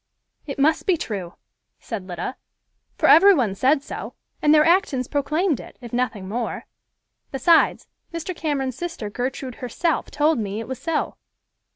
"It must be true," said Lida, "for every one said so, and their actions proclaimed it, if nothing more; besides, Mr. Cameron's sister, Gertrude herself, told me it was so."